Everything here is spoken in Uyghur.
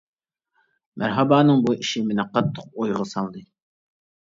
مەرھابانىڭ بۇ ئىشى مېنى قاتتىق ئويغا سالدى.